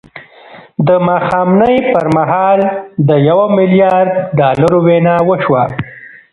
د ماښامنۍ پر مهال د يوه ميليارد ډالرو وينا وشوه.